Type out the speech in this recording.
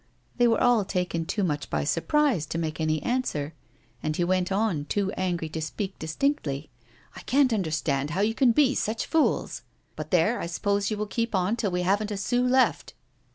" They were all taken too much by surprise to make any answer, and he went on, too angry to speak distinctly :" I can't understand how you can be such fools ! But there I suppose you will keep on till we haven't a sou left